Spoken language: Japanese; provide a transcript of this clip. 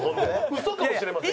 ウソかもしれませんよ。